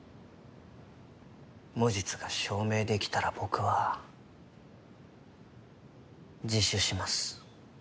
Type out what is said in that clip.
無実が証明できたら僕は自首します。